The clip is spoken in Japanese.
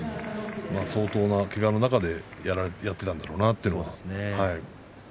相当なけがの中でやっていたんだろうなと。